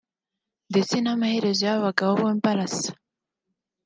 ndetse n’amaherezo y’aba bagabo bombi arasa